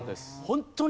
ホントに。